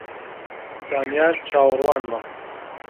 زانیار چاوەڕوانمە